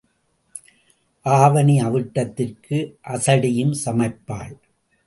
ஆவணி அவிட்டத்திற்கு அசடியும் சமைப்பாள்.